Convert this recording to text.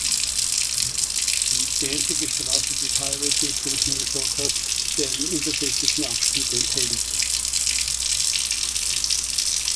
Sie ist die einzige Straße des Highway-Systems Minnesotas, die einen unbefestigten Abschnitt enthält.